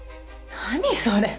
何それ？